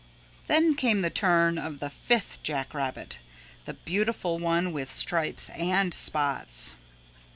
Then came the turn of the fifth jack rabbit, the beautiful one with stripes and spots.